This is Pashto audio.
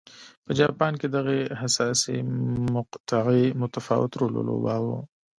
په جاپان کې دغې حساسې مقطعې متفاوت رول ولوباوه.